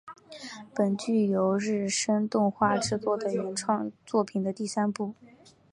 本剧由日升动画制作的原创作品的第三部。